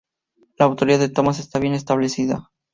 La autoría de Tomás está bien establecida.